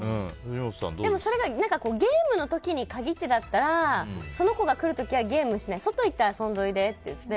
それがゲームの時に限ってだったらその子が来る時はゲームしない外に行って遊んでって言って。